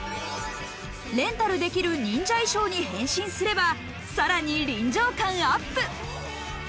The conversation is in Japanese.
レンタルできる忍者衣装に変身すれば、さらに臨場感アップ。